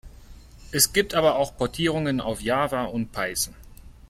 Es gibt aber auch Portierungen auf Java und Python.